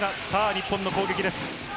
日本の攻撃です。